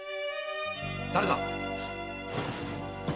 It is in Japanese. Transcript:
誰だ